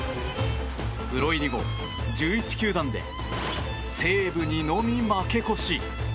プロ入り後１１球団で西武にのみ負け越し。